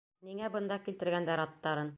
Ниңә бында килтергәндәр аттарын?